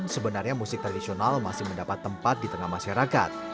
sebenarnya musik tradisional masih mendapat tempat di tengah masyarakat